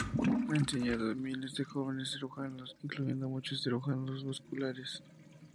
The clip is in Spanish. Ha enseñado a miles de jóvenes cirujanos, incluyendo muchos cirujanos vasculares.